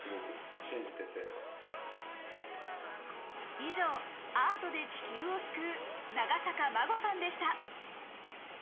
以上、アートで地球を救う長坂真護さんでした。